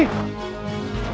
sampai jumpa lagi